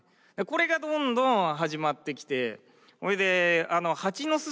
これがどんどん始まってきてそれで蜂の巣